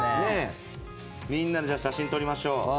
みんなで写真撮りましょう。